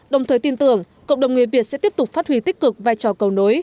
đồng thời tin tưởng cộng đồng người việt sẽ tiếp tục phát huy tích cực vai trò cầu nối